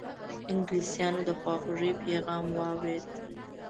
انګلیسیانو د خواخوږی پیغام واورېد.